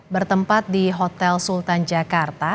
bertempat di hotel sultan jakarta